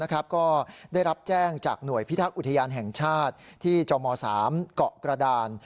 ก็ได้รับแจ้งจากหน่วยพิทักษ์อุทยานแห่งชาติที่จม๓เกาะกระดาน